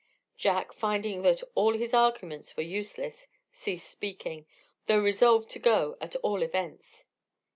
Jack, finding that all his arguments were useless, ceased speaking, though resolved to go at all events.